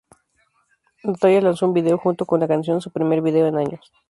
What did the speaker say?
La Toya lanzó un video junto con la canción, su primer video en años.